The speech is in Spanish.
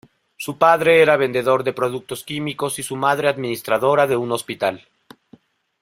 Su padre era vendedor de productos químicos y su madre administradora de un hospital.